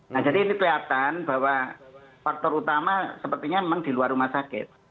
nah jadi ini kelihatan bahwa faktor utama sepertinya memang di luar rumah sakit